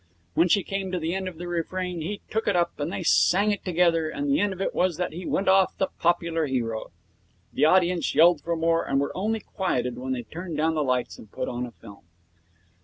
When she came to the end of the refrain, he took it up, and they sang it together, and the end of it was that he went off the popular hero. The audience yelled for more, and were only quieted when they turned down the lights and put on a film.